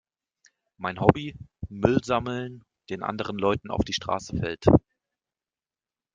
Mein Hobby? Müll sammeln, den anderen Leuten auf die Straße fällt.